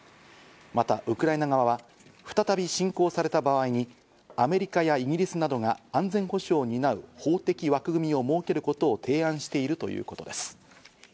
またウクライナ側は再び侵攻された場合にアメリカやイギリスなどが安全保障を担う法的枠組みを設けることを提案しているということです。